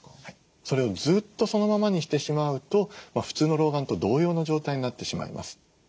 それをずっとそのままにしてしまうと普通の老眼と同様の状態になってしまいます。